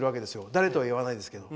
誰とは言わないですけど。